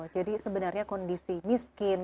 jadi sebenarnya kondisi miskin